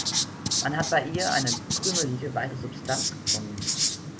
Man hat bei ihr eine krümelige, weiße Substanz gefunden.